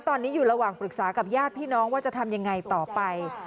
ตอนนี้อยู่ระหว่างปรึกษากับญาติพี่น้องว่าจะทำยังไงต่อไป